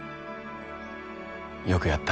よくやった。